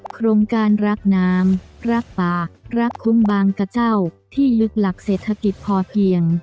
โครงการรักน้ำรักป่ารักคุ้มบางกระเจ้าที่ลึกหลักเศรษฐกิจพอเพียง